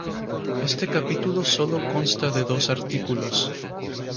Este capítulo solo consta de dos artículos.